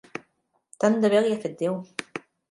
Tant de bé li ha fet Déu!